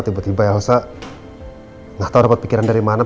tiba tiba elsa gak tau dapat pikiran dari mana